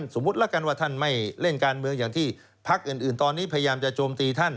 สมมุติแล้วกันว่าท่านไม่เล่นการเมืองอย่างที่พักอื่นตอนนี้พยายามจะโจมตีท่าน